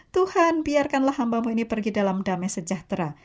tuhan biarkanlah hambamu ini pergi dalam damai sejahtera